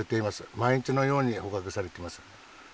毎日のように捕獲されてます。